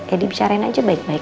kayak dibicarain aja baik baik